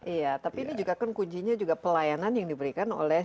iya tapi ini kunjinya juga pelayanan yang diberikan oleh